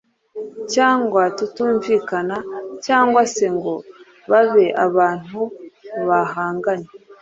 cyangwa tutumvikana cyangwa se ngo babe abantu bahanganye.